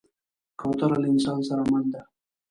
کوتره له انسان سره مل ده.